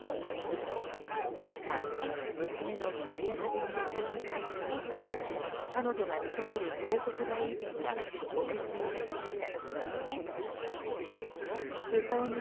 また娘のソフィアナ恵さんに対しても彼女が勤める広告代理店がコメントを出しました。